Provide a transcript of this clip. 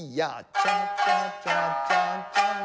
チャチャチャチャチャン。